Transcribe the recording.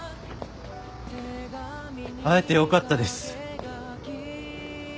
会えてよかったです。